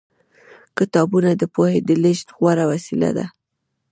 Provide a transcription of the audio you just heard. کتابونه د پوهې د لېږد غوره وسیله ده.